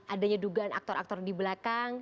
adanya dugaan aktor aktor di belakang